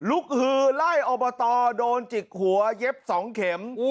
ฮือไล่อบตโดนจิกหัวเย็บ๒เข็ม